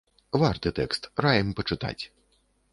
Варты тэкст, раім пачытаць.